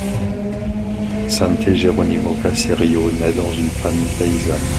Sante Geronimo Caserio naît dans une famille paysanne.